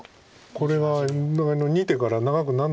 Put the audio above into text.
これは２手から長くなんないです